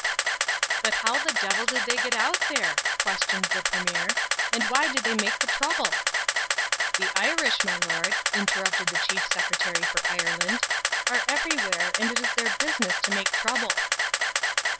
"But how the devil did they get out there?" questioned the Premier. "And why did they make the trouble?" "The Irish, my lord," interrupted the Chief Secretary for Ireland, "are everywhere, and it is their business to make trouble."